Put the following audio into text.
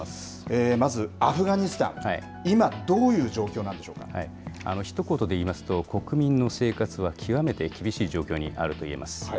まずアフガニスタン、今、どひと言で言いますと、国民の生活は極めて厳しい状況にあるといえます。